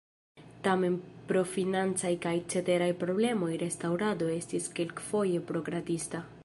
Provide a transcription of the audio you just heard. Tamen pro financaj kaj ceteraj problemoj restaŭrado estis kelkfoje prokrastita.